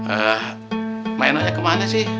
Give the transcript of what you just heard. eh maenoknya kemana sih